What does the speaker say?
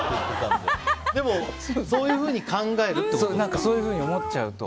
でもそういうふうにそういうふうに思っちゃいます。